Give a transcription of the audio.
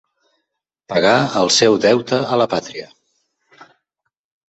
Pagar el seu deute a la pàtria.